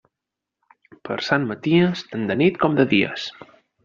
Per Sant Maties, tant de nit com de dies.